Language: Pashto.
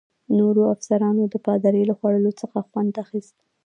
نورو افسرانو د پادري له ځورولو څخه خوند اخیست.